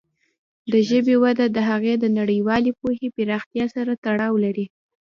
د ژبې وده د هغې د نړیوالې پوهې پراختیا سره تړاو لري.